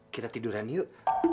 kita tiduran yuk